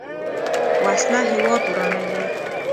وسله هیواد ورانوي